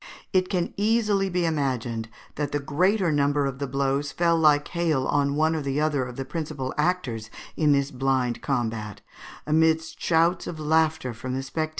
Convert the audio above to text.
It can easily be imagined that the greater number of the blows fell like hail on one or other of the principal actors in this blind combat, amidst shouts of laughter from the spectators.